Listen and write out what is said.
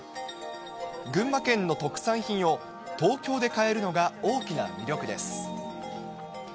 群馬県の特産品を東京で買えるのが大きな魅力です。